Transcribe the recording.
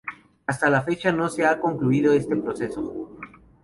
Hasta la fecha no se ha concluido este proceso.